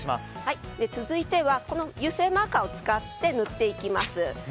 続いては油性マーカーを使って塗っていきます。